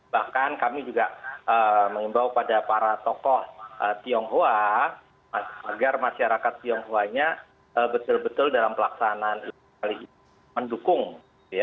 bahkan kami juga mengimbau pada para tokoh tionghoa agar masyarakat tionghoanya betul betul dalam pelaksanaan mendukung gitu ya